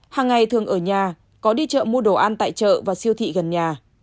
hàng ngày thường ở nhà có đi chợ mua đồ ăn tại chợ và siêu thị gần nhà